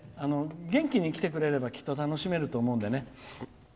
元気に来てくれればきっと楽しめると思うんでね。